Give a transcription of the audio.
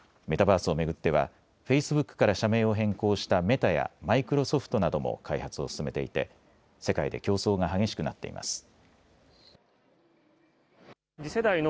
メタバースを巡ってはフェイスブックから社名を変更したメタやマイクロソフトなども開発を進めていて世界で競争が激しくなっています。